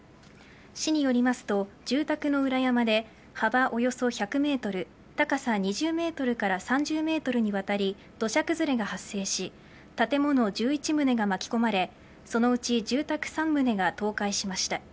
市によりますと住宅の裏山で幅およそ１００メートル高さ２０メートルから３０メートルにわたり土砂崩れが発生し建物１１棟が巻き込まれそのうち住宅３棟が倒壊しました。